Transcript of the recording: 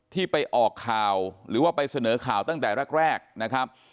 ที่ไปออกข่าวหรือว่าไปเสนอข่าวตั้งแต่แรกนะครับ